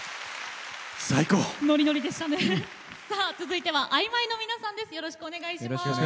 続いてはＩＭＹの皆さんです。